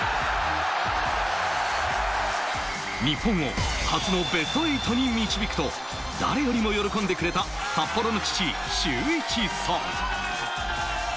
日本を初のベスト８に導くと、誰よりも喜んでくれた札幌の父・修一さん。